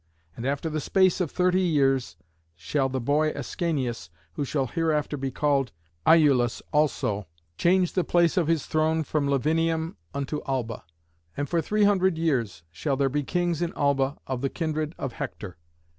And after the space of thirty years shall the boy Ascanius, who shall hereafter be called Iülus also, change the place of his throne from Lavinium unto Alba; and for three hundred years shall there be kings in Alba of the kindred of Hector.